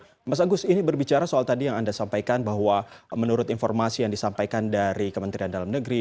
oke mas agus ini berbicara soal tadi yang anda sampaikan bahwa menurut informasi yang disampaikan dari kementerian dalam negeri